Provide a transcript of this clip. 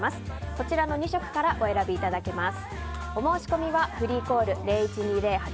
こちらの２色からお選びいただけます。